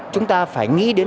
chúng ta phải nghĩ đến